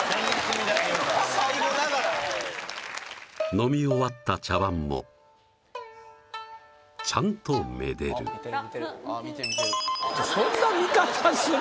飲み終わった茶わんもちゃんとめでる見てる